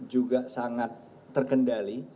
juga sangat terkendali